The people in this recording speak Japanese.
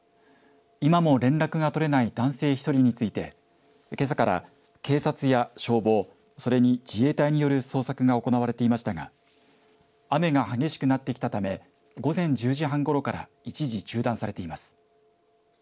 今も連絡が取れない男性１人についてけさから警察や消防それに自衛隊による捜索が行われていましたが雨が激しくなってきたため午前１０時半ごろから一時中断されています。